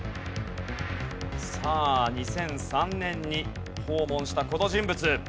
さあ２００３年に訪問したこの人物。